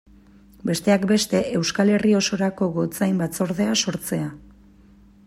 Besteak beste Euskal Herri osorako gotzain batzordea sortzea.